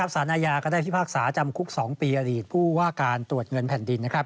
สารอาญาก็ได้พิพากษาจำคุก๒ปีอดีตผู้ว่าการตรวจเงินแผ่นดิน